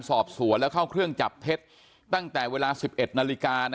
สอบสวนแล้วเข้าเครื่องจับเท็จตั้งแต่เวลา๑๑นาฬิกา